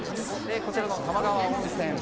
こちらの玉川温泉